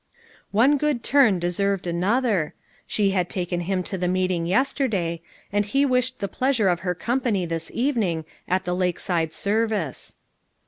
"One good turn deserved another," she had taken him to the meeting yesterday, and he wished the pleasure of her company this even ing at the Lakeside service.